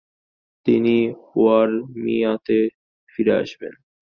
তিনি ওয়ারমিয়াতে ফিরে আসেন।